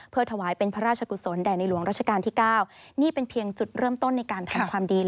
ถวายเป็นพระราชกุศลแด่ในหลวงราชการที่๙นี่เป็นเพียงจุดเริ่มต้นในการทำความดี